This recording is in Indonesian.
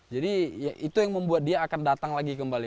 jadi itu yang membuat dia akan datang lagi kembali